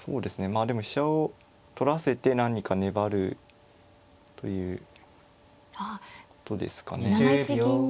まあでも飛車を取らせて何か粘るということですかね。